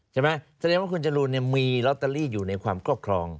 แสดงว่าคุณจรูนมีลอตเตอรี่อยู่ในความครอบครอง